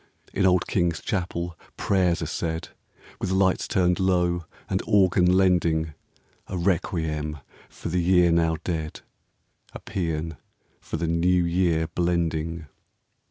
In old King's Chapel prayers are said, With lights turned low and organ lending A requiem for the year now dead, A psean for the New Year blending.